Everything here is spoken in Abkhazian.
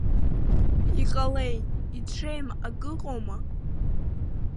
Иҟалеи иҽеим ак ыҟоума?